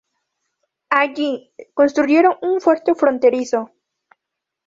Allí, construyeron un fuerte fronterizo.